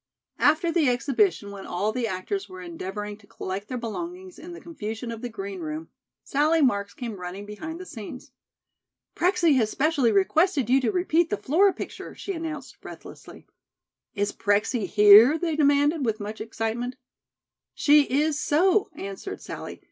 After the exhibition, when all the actors were endeavoring to collect their belongings in the confusion of the green room, Sallie Marks came running behind the scenes. "Prexy has specially requested you to repeat the Flora picture," she announced, breathlessly. "Is Prexy here?" they demanded, with much excitement. "She is so," answered Sallie.